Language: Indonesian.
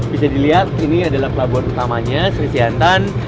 bisa dilihat ini adalah pelabuhan utamanya sri siantan